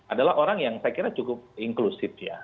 adalah orang yang saya kira cukup inklusif ya